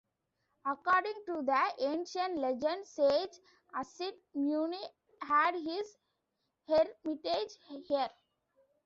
According to the ancient legend, sage Asit Muni had his hermitage here.